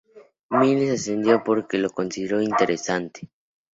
Myles accedió porque lo consideró interesante.